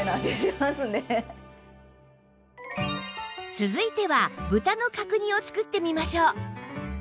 続いては豚の角煮を作ってみましょう